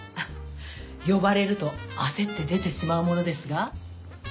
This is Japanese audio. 呼ばれると焦って出てしまうものですが。